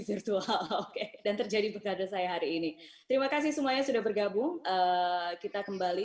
virtual oke dan terjadi bekade saya hari ini terima kasih semuanya sudah bergabung kita kembali